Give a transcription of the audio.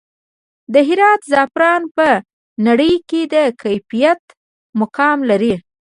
د هرات زعفران په نړۍ کې د کیفیت مقام لري